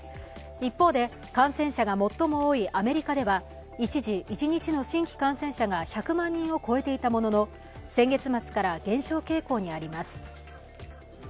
一方で感染者が最も多いアメリカでは一時、一日の新規感染者が１００万人を超えていたものの先月末から減少傾向にあります。